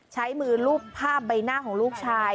ใช้มือรูปภาพใบหน้าของลูกชาย